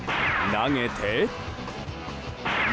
投げて。